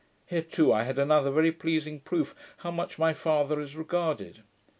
Here too, I had another very pleasing proof how much my father is regarded.